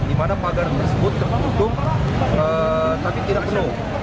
di mana pagar tersebut terkutum tapi tidak penuh